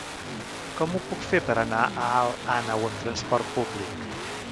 Com ho puc fer per anar a Alt Àneu amb trasport públic?